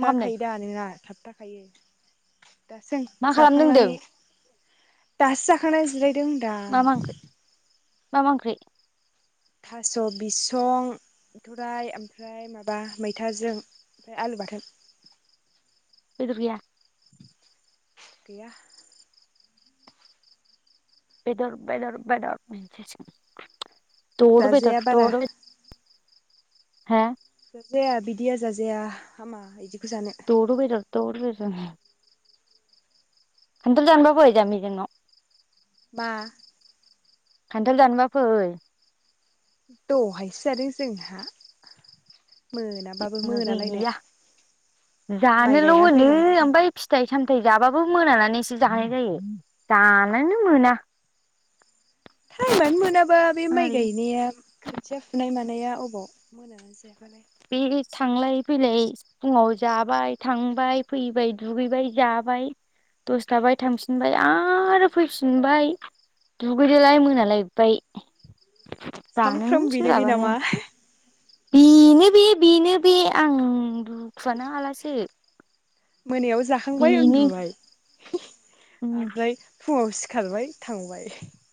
मा खालामदों दा नोंना थाबथाखायो। दासो मा खालामदों जाखांनानै होनदों दासो जाखांना जोंदां मा मा ओंख्रि मा मा ओंख्रि थास' बिसं बिथराइ ओमफ्राय माबा मैथाजों ओमफ्राय आलु बाथोन। बेदर गैया। गैया। बेदर बेदर बेदर। जाजाया बारा [unintelligible] हा? जाया बिदिया जाजाया हामा बिदि। [unintelligible] [inaudible] खान्थाल जानोबा फै जाम्बि जोंनाव बा खान्थाल दानबा फै। दहायसो जादों जोंहा। मोनाबाबो ज मोनालायनाय गैया माइ जानोल' गायनानै होनो फैनानैबाबो ओमफ्राय फिथाइ सामथाय जाबाबो मोनानानैसो जानाय जायो जानानो मोना। टाइमानो मोनाबा बे माइ ओरै गायनाया खोथिया फुनाय मानाया। बबाव मोनो जायफानाय बे थांलाय फैलाय फुङाव जाबाय थांबाय फैबाय दुगैबाय जाबाय दसथाबाय थांफिनबाय आरो फैफिनबाय दुगैदोलाय मोनालायबाय। जानोनो सामफ्रोम बिनो बि सोलाबानो नामा? बेनो बे बेनो बे आं दुखुआनो हालासो। मोनायाव जाखांबाय बेनो उन्दुबाय। [inaudible] संनाङा ओमफ्राय फुङाव सिखारबाय थांबाय।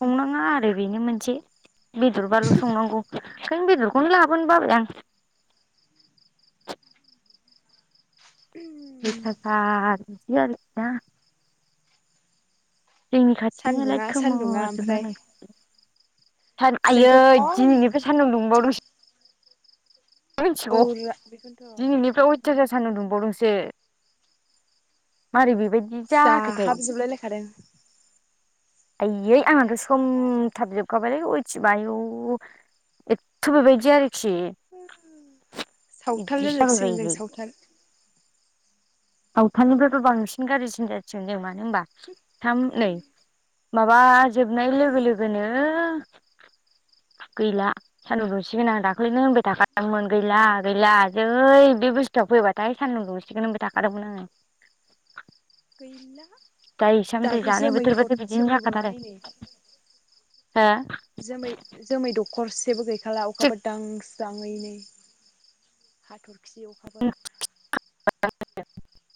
संनाङा आरो बेनो मोनसे। बेदर बालु संनांगौ। [unintelligible] बेदरखौनो लाबोन बाबाय आं। उ। अयथासार बिदि आरो ना सानदुङा सानदुङा ओमफ्राय [unintelligible] सान आयै जोंथ' खम दिनैनिफ्राय सान्दुं दुंबावदों मिथिगौ औरा बेखौनोथ' दिनैनिफ्राय अयथासार सान्दुं दुंबावदोंसो मारै बेबायदि जाखोथाय जाहाबजोबलाय लायखादों आयै खावलाया आंहाथ' सोम जागा जागा थाबजोबखाबायलै अर सयथिबो आयु ऐथ बे बायदि आरोखि सावथाल बिदिखि जाजोबसिगोन जों जाबायबायोलै सावथाल सावथालानिफ्रायबो बांसिन गाज्रिसिन जासिगोन जों मान नो होमबा थाम नै माबा जोबनाय लोगो लोगोनो गैला सान्दुं दुंसिगोन आं दाख्लैनो होनबाय थाखादोंमोन गैला-गैला जै बे बुस्थुआ फैबाथाय सान्दुं दुंसिगोन होनबाय थाखादोंमोन आङो। गैला [unintelligible] दाथ' दानि जोमै बोथोर बाथाय बिदिनो थरसेबो गैबावला जाखाथारो हो जोमै-जोमै दखरसेबो गै खाला थिग अखाफोर दां स्रां ओइनै हाथर खि अखाफोर [unintelligible]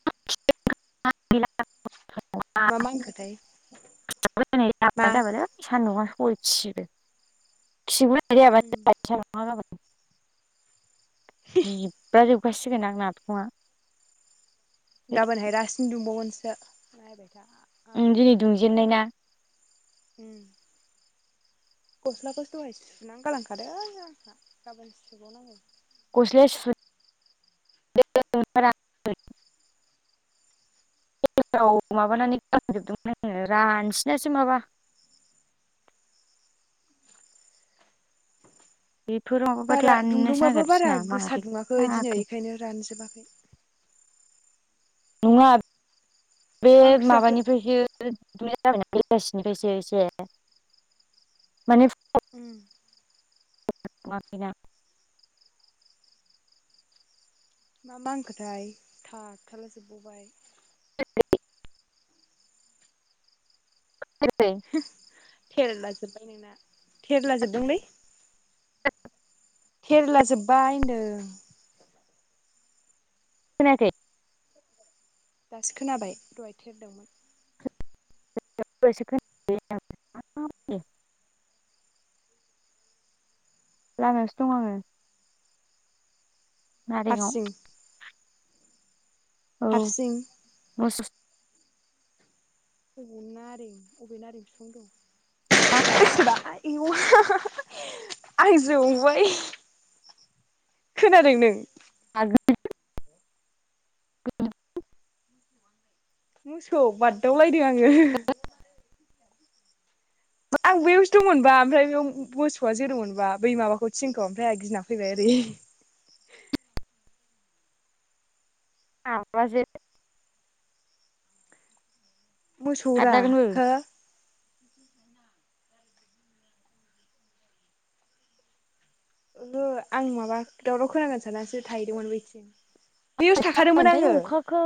[unintelligible] मा मा होनखोथाय मा [unintelligible] खि उम [unintelligible] जिब्राजोब खासिगोन आंना गाबोनहाय रासिन दुंबावगोन सो दिनै दुंजेन्नाय ना गस्लाखौ दहाय सुनानै गालांखादों आंहा गाबोन सुबावनांगौ। गस्लाया सु [unintelligible] माबानानै रानसिनासो माबा बेफोर माबाबाथाय बारा राननोसो दुंदुंबाबो बारा नागिरसिना गोसा मारै दुंङाखै दिनै जाखो बेखायनो रानजोबाखै। नङा बे मा ओंख्रि जाखो? माबानिफ्रायसो [unintelligible] एसे माने उम [unintelligible] दुंङाखैना। मा मा होनखोथाय थाबथाला जोब बावबाय। [unintelligible] [unintelligible] थेरला जोब्बाय नोंना थेरला जोबदोंलै। थेरेला जोब्बाय होनदों। खोनायाखै। दासो खोनाबाय दहाय थेरदोंमोन। [unintelligible] लामायावसो दं आंङो। नारेंआव। हारसिं औ हारसिं मोस [inaudible] [unintelligible] [unintelligible] मोसौ बाददावलायदों आंङो। आं बैयावसो दंमोनबा ओमफ्राय बेयाव मोसौआ जेदोंनमोनबा बै माबाखौ थिंखौ ओमफ्राय आ गिना फैबाय ओरै आब' आ जे मोसौरा हो ओहो आं माबा दावराव खोनांगोन साननानैसो थाहैदोंमोन बैथिं बैयावसो [unintelligible] थाखादोंमोन जागोनथाय आङो अखाखौ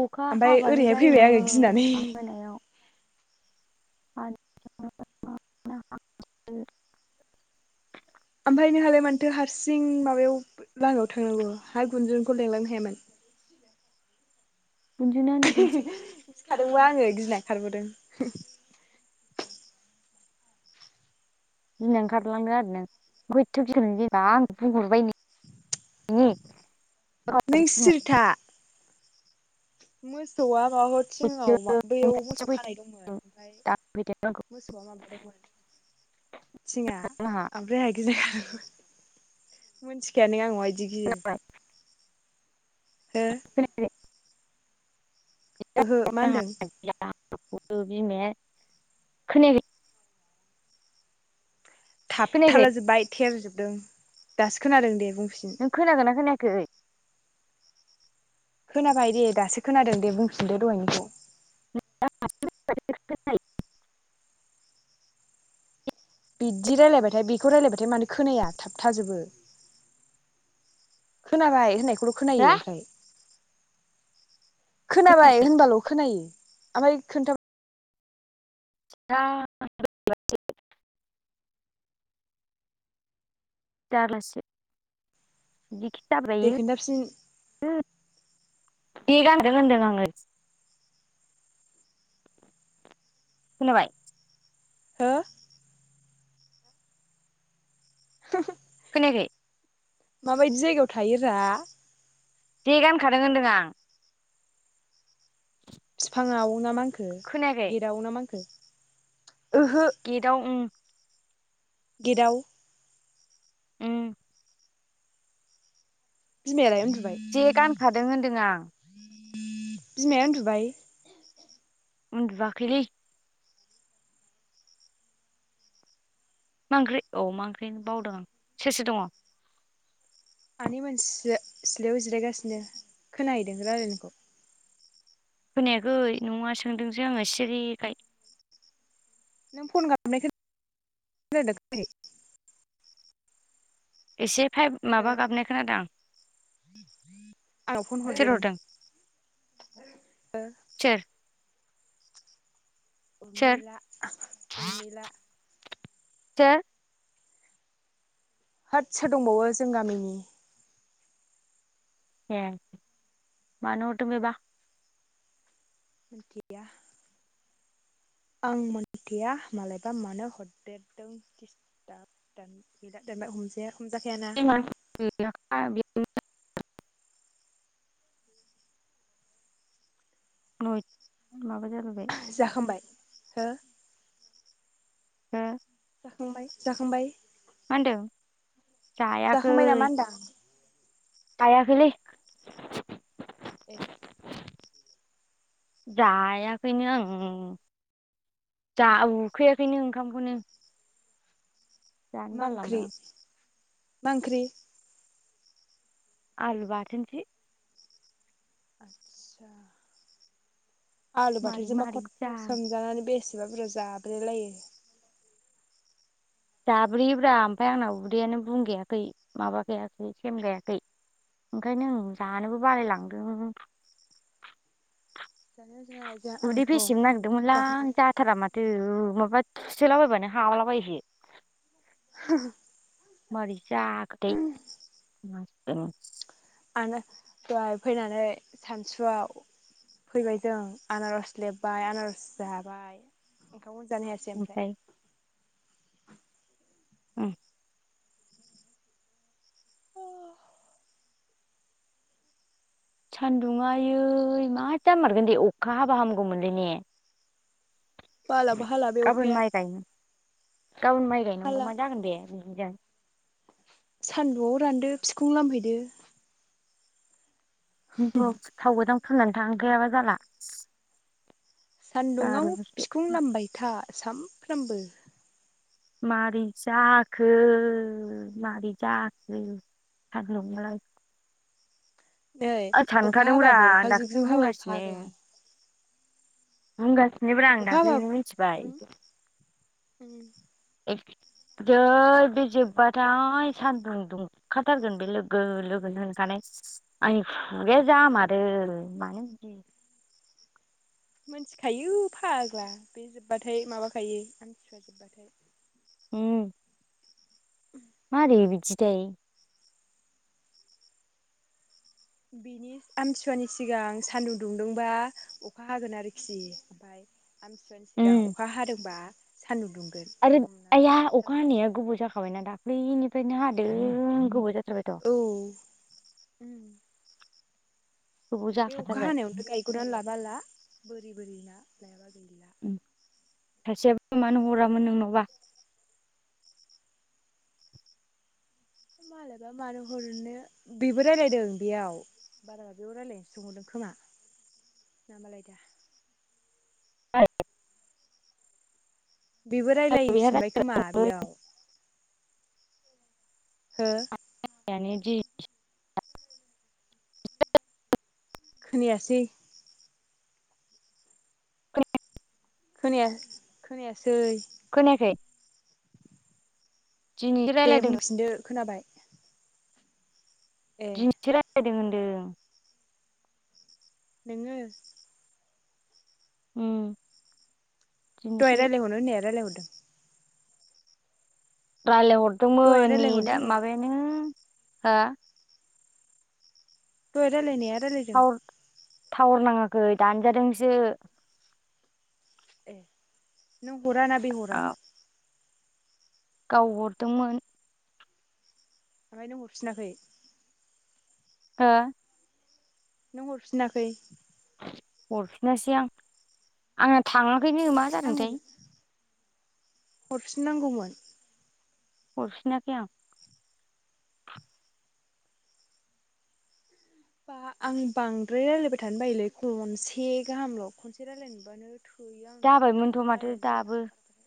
अखा ओमफ्राय हाबानो ओरैहाय फैबाय आङो जायोमोन गिनानै दा मोनायाव [unintelligible] ओमफ्राय नोंहालाय मानोथो हारसिं माबायाव लामायाव थांनांगौ हा गुन्जुनखौ लेंलांनो हायामोन गुन्जुना उन्दुदोंसो सिखारदोंबा आंङो गिनाय खारबोदों गिना ओंखारलांदों आरो [unintelligible] आं बुंहरबायनि [unintelligible] नों सिरिथा मोसौआ आ थिङाव बैयाव मोसौ खानाय दंमोन ओमफ्राय मोसौआ माबादोंमोन थिंआ ओमफ्राय आंङा गिना खाय मिन्थिखायानो आं मा बाय दि गियो। हो खोनायाखै ओहो मा होनदों [unintelligible] बिमाया खोनायाखै खोनायाखै थाबथाला जोब्बाय थेर जोब दों दासो खोनादों दे। बुंफिन नों खोनागो ना खोनाय खै? खोनाबाय दे दासो खोनादों दे बुंफिनदो दहायनिखौ। [unintelligible] बिदि रायलायबाथाय बेखौ रायलायबाथाय मानो खोनाया थाब थाजोबो खोनाबाय होननाय खौल' खोनायो ओमफ्राय। खोनाबाय होनबाल' खोनायो। ओफाय खोन्थाम जा [unintelligible] जारलासो। बिदिखि दे खोन्थाफिन जाब्रायो बे गानदों होनदों आंङो। खोनाबाय? हो? खोनायाखै? माबायदि जायगायाव थायो रा? जे गानखादों होनदों आं। फिफाङाव ना मा खो खोनायाखै गेदावना मा होनखो? गेटआव उम। गेट आव? उम बिमाया लाय उन जे गानखादों होनदों आं। बिमाया उन्दुबाय? उन्दुयाखैलै। मां ओंख्रै औ मा ओंख्रि बावदों आं सोर सोर दङ? सानै मानसिसो सिलायाव जिरायगासिनो खोनाहैदों रायलायनायखौ? खोनायाखै नङा सोदोंसो आङो सिरिखाय। नों फन गाबनाय खोनादों [inaudible] एसे फाइभ हो माबा गाबनाय खोनादों आं आंनाव फन हरदों ओ सोर सोर उर्मिला उर्मिला। सो होत सोर दंबावो जों गामिनि। ए मानो' हरहों बेबा? मिनथिया। आं मोनन्थिया मालायबा मानो हरदेरदों दिसथाब [inaudible] दानबाय हमजाया। हमजाखायाना [unintelligible] न' जाखांबाय हो हा जाखांबाय मा होनदों? जायाखै जाखांबाय नामा होनदां जायाखैलै ए जायाखैनो आं जा उखैयाखैनो ओंखामखौनो जानो मा बालाय ओंख्रि लांबाय आं मा ओंख्रि? आलु बाथोनसो। आतसा आलु मारै बाथोनजोंबा मारै खथ' जा सोमजानानै बेसे बिबारफोरा जाब्रेलायो जाब्रेयोब्रा ओमफ्राय आंना उदैयानो बुंगायाखै माबाखायाखै सेमगायाखै ओंखायनो आं जानोबो बालायलांदों जानाया जाया जा उदै आंथ' फेसेमनो खान्थाल नागिरदोंमोनलां जाखांनानै जाथारा माथो माबा थुसोलाबायायबानो हाबालाबायसै हो हो मारै जाखोथाय औ दहाय फैनानै सानसुआव फैबाय जों आनारस लेमबाय आनारस जाबाय ओंखामखौनो जानो हायासै ओमफ्राय औ सान्दुंङा आयै मा जामारगोन दे अखा हाबा हामगौमोनलै ने बालाबो हाला बे गाबोन अखाया माइ गायनो गाबोन माइ गायनांगौ हाला मा जागोन दे मोजां सानदुंआव रानदो बिखुं लामहैदो थावो दां फुननानै थांखायाबा जाला सान्दुंआव जारलासो बिखुं लामबाय था सानफ्रोमबो मारै जाखो मारै जाखो सान नोंलाय नै अखा हाबाबो अखा जुग दाख्लैनो जुग हाबाबो फाग्ला बुंगासिनो [unintelligible] [unintelligible] आं दाख्लैनो मिथिबाय उम्म। जै बे जोबबाथाय सानदुं दुंखाथारगोन बे लोगो लोगोनो होनखानाय आंनि खुगाया जामारो मानो बिदि। मोनथिखायो फाग्ला बे जोब्बाथाय माबाखायो आमथिसुवा जोब्बाथाय। उम्म। मारै बिदिथाय बिनि आमथिसुवानि सिगां सानदुं दुंदोंबा अखा हागोन आरोखि, ओमफाय आमथिसुवानि सिगां उम अखा हादोंबा सानदुं दुं आरो आइया अखा हानाया गोबाव जाखाबायना दाख्लैनि फ्रायनो हादों गोबाव जा जाबायथ' उम्म। गोबाव बे अखा जाखाथारबाय हानायावनो गायगना लाबा ला बो बोरि ना लायाबा गैला उम्म। सासेयाबो मानो हरा मोन नोंनावबा मालायबा मानो हरनो बेबो रायलायदों बेयाव बाराबा बियाव रायलायनो सोंहरदों खोमा ना मालाय दा। [inaudible] बेबो रायलायफिनबाय खोमा बेयाव। हो [inaudible] खोनायासै। खोनाया खोनायासै। खोनायाखै। दिनैसो दे रायलायदों बुंफिनदो खोनाबाय। ए दिनिसो राय दों होन्दों। नोङो उम्म। दहाय रालाय हरनो होननाया रायलाय हरदों। रायलायहर दहाय दोंमोन रायलायहरनो नेदा होननाया माबायानो हो। दहाय रायलायनाया रायलायदों। टावार टावार नाङाखै दानजादोंसो। ए नों हरा ना बे हरा गावहरदोंमोन ओमफाय नों हरफिनाखै ओ नों हरफिनाखै हरफिनासै आं आं थाङाखैनो मा हरफिननांगौमोन जादोंथाय हरफिननांगौमोन हरफिनाखै आं बा आं बांद्राय रायलायबाय थानो बायोलै खनसे गाहामल खनसे रायलायनो मोनबानो थोयो आङो जाबायमोनथ' माथो रायलायनो बायो आं दाबो बारा